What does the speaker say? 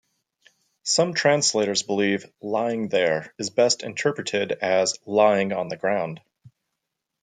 Some translators believe "lying there" is best interpreted as "lying on the ground".